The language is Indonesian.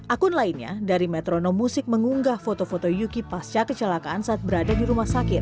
akun lainnya dari metrono musik mengunggah foto foto yuki pasca kecelakaan saat berada di rumah sakit